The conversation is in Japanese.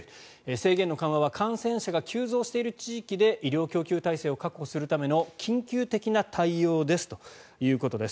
制限の緩和が感染者が急増している地域で医療供給体制を確保するための緊急的な対応ですということです。